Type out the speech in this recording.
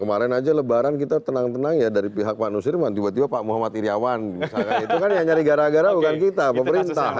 kemarin aja lebaran kita tenang tenang ya dari pihak pak nusirman tiba tiba pak muhammad iryawan misalkan itu kan yang nyari gara gara bukan kita pemerintah